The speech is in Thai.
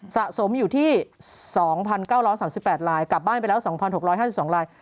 สะสมอยู่ที่๒๙๓๘ลายกลับบ้านไปแล้ว๒๖๕๒ลาย